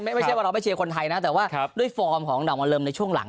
ไม่ใช่แบบว่าเราจะไปแชร์คนไทยนะแต่ว่าด้วยฟอร์มของดั่งหวัดเริ่มในช่วงหลัง